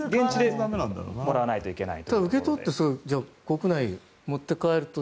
現地で受け取らないといけない。